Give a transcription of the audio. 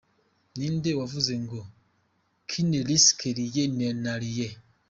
Ni nde wavuze ngo «Qui ne risque rien, n’a rien»?